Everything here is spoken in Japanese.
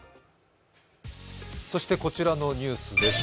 そしてこちらのニュースです。